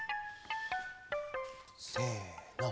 せの。